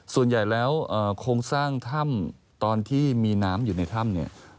ส่วนใหญ่แล้วโครงสร้างถ้ำตอนที่มีน้ำอยู่ในถ้ำเนี่ย